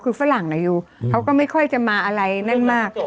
คือฝรั่งอยู่เขาก็ไม่ค่อยจะมาอะไรนั่นมาก